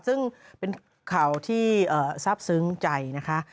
ซึ่งเป็นข่าวที่ทราบซึ้งใจนะคะ